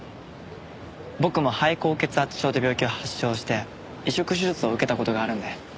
僕も肺高血圧症って病気を発症して移植手術を受けた事があるんで。